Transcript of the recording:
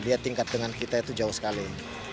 dia tingkat dengan kita itu jauh sekali